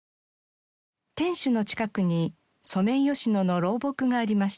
天守の近くにソメイヨシノの老木がありました。